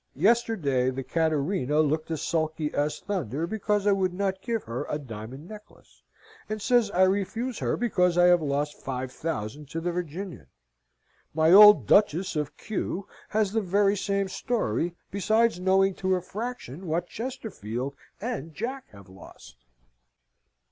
Yesterday the Cattarina looked as sulky as thunder, because I would not give her a diamond necklace, and says I refuse her because I have lost five thousand to the Virginian. My old Duchess of Q. has the very same story, besides knowing to a fraction what Chesterfield and Jack have lost.